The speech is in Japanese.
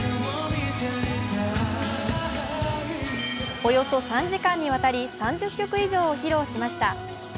およそ３時間にわたり３０曲以上を披露しました。